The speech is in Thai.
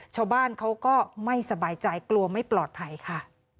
ชาวบ้านเขาก็ไม่สบายใจกลัวไม่ปลอดภัยค่ะ